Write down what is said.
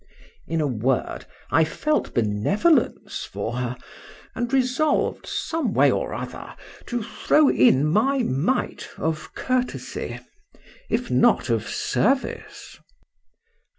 —In a word, I felt benevolence for her; and resolv'd some way or other to throw in my mite of courtesy,—if not of service.